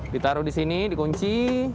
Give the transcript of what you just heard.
ditaruh di sini dikunci